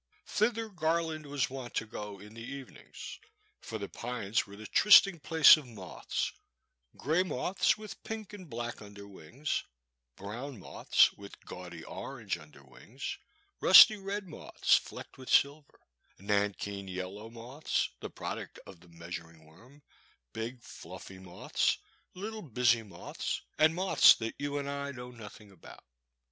Thither Garland was wont to go in the even ings, for the pines were the trysting places of The Boy^s Sister. 233 moths — grey moths with pink and black under wings, brown moths with gaudy orange under wings, rusty red moths flecked with silver, nan keen yellow moths, the product of the measuring worm, big fluffy moths, little busy moths, and moths that you and I know nothing about.